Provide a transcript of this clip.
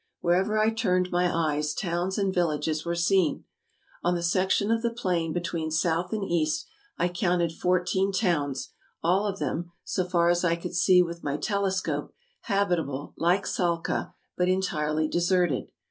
... Wherever I turned my eyes, towns and villages were seen. ... On the section of the plain between south and east I counted fourteen towns, all of them, so far as I could see with my telescope, habitable like Salcah, but entirely deserted.